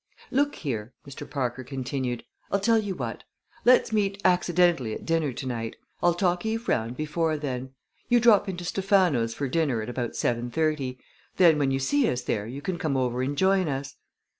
"Look here!" Mr. Parker continued. "I'll tell you what: Let's meet accidentally at dinner tonight. I'll talk Eve round before then. You drop into Stephano's for dinner at about seven thirty. Then, when you see us there, you can come over and join us."